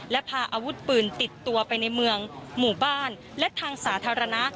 และพาอาวุธปืนติดตัวไปในเมืองหมู่บ้านและทางสาธารณะ